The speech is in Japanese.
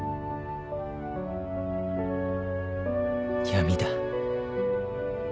［闇だ］